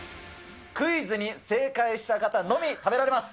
クイズに正解した方のみ、食べられます。